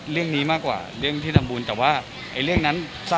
เรื่องที่เราอ่านข่าวทุกวันเหมือนกันนะ